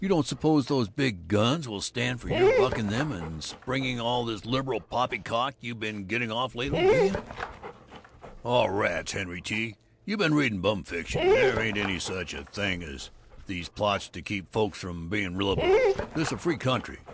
You don't suppose these Big Guns will stand your bucking them and springing all this 'liberal' poppycock you been getting off lately, do you?" "Oh, rats, Henry T., you been reading bum fiction. There ain't any such a thing as these plots to keep folks from being liberal. This is a free country.